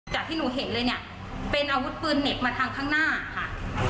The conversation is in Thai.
ที่หนูเห็นเลยเนี่ยเป็นอาวุธปืนเหน็บมาทางข้างหน้าค่ะ